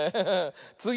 つぎ！